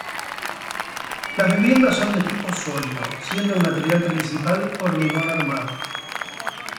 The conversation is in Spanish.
Las viviendas son de tipo sólido, siendo el material principal hormigón armado.